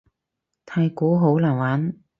太鼓好難玩